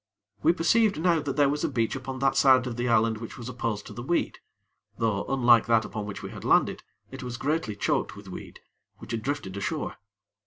We perceived now that there was a beach upon that side of the island which was opposed to the weed; though, unlike that upon which we had landed, it was greatly choked with weed which had drifted ashore.